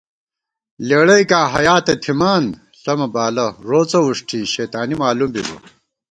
لېڑَئیکاں حیا تہ تھِمان، ݪَمہ بالہ روڅہ ووݭٹی شیتانی مالُوم بِبہ